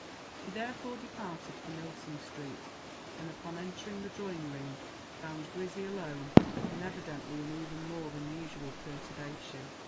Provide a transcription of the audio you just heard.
She therefore departed for Milsom Street, and, upon entering the drawing room, found Grizzy alone, and evidently in even more than usual perturbation.